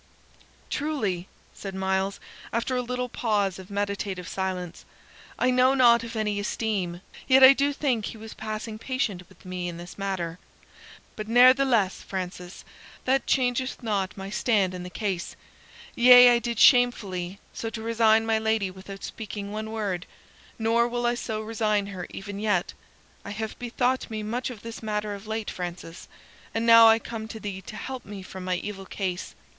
"Truly," said Myles, after a little pause of meditative silence, "I know not of any esteem, yet I do think he was passing patient with me in this matter. But ne'theless, Francis, that changeth not my stand in the case. Yea, I did shamefully, so to resign my lady without speaking one word; nor will I so resign her even yet. I have bethought me much of this matter of late, Francis, and now I come to thee to help me from my evil case.